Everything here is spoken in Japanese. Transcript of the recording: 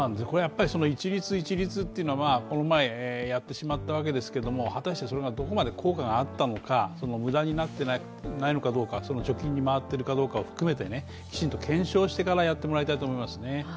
一律、一律っていうのはこの前やってしまったわけですけど果たして、それがどこまで効果があったのか、無駄になっていないのかどうか貯金に回っているのかどうかも含めて、きちんと検証してからやってもらいたいと思いますね。